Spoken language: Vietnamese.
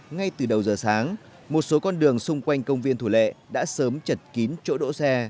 ngay từ đầu giờ sáng một số con đường xung quanh công viên thủ lệ đã sớm chật kín chỗ đỗ xe